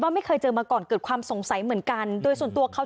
ไม่เคยเจอมาก่อนเกิดความสงสัยเหมือนกันโดยส่วนตัวเขา